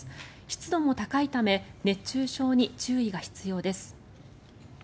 湿度も高いため熱中症に注意が必要です。